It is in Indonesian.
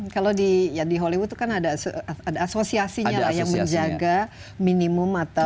kalau di hollywood itu kan ada asosiasinya yang menjaga minimum atau level yang mereka harus miliki